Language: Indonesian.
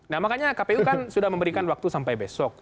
nah makanya kpu kan sudah memberikan waktu sampai besok